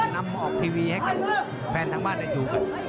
นำมาออกทีวีให้กับแฟนทางบ้านได้ดูกัน